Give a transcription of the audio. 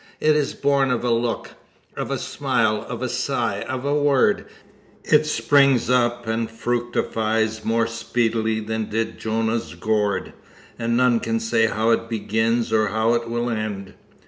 It is born of a look, of a smile, of a sigh, of a word; it springs up and fructifies more speedily than did Jonah's gourd, and none can say how it begins or how it will end.